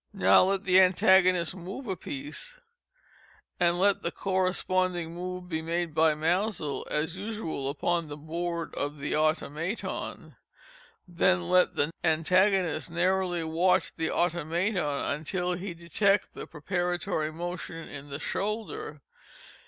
Now let the antagonist move a piece, and let the corresponding move be made by Maelzel, as usual, upon the board of the Automaton. Then let the antagonist narrowly watch the Automaton, until he detect the preparatory motion in the shoulder.